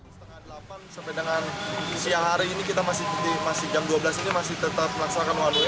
setengah delapan sampai dengan siang hari ini kita masih jam dua belas ini masih tetap melaksanakan one way